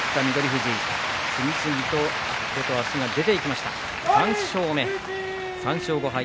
富士次々と足が出ていきました３勝５敗。